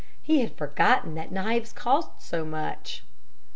He had forgotten that knives cost so much.